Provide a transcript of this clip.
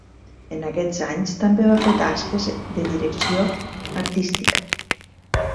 En aquests anys també va fer tasques de direcció artística.